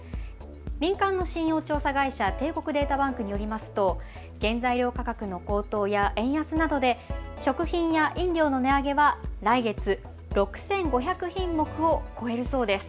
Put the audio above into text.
民間の信用調査会社、帝国データバンクによりますと原材料価格の高騰や円安などで食品や飲料の値上げは来月、６５００品目を超えるそうです。